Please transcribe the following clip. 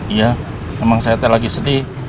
iya emang saya lagi sedih